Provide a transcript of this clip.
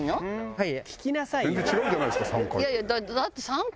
はい。